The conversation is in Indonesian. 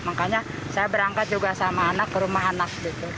makanya saya berangkat juga sama anak ke rumah anak